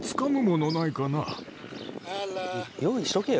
用意しとけよ。